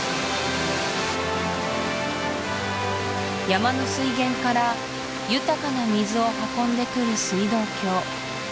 山の水源から豊かな水を運んでくる水道橋